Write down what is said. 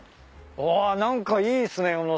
あ何かいいっすね。